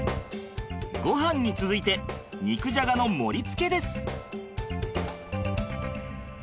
ごはんに続いて肉じゃがの盛りつけです。